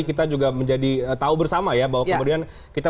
kita juga tahu bersama ya bahwa kemudian